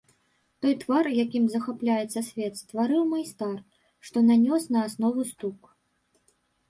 Той твар, якім захапляецца свет, стварыў майстар, што нанёс на аснову стук.